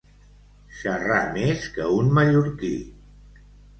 Xerrar més que un mallorquí.